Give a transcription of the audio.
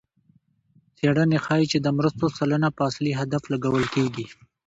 څېړنې ښيي چې د مرستو سلنه په اصلي هدف لګول کېږي.